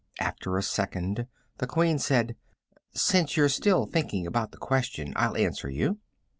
After a second the Queen said: "Since you're still thinking about the question, I'll answer you."